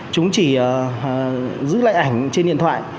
chúng chỉ giữ lại ảnh trên điện thoại